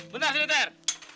bentar sini ter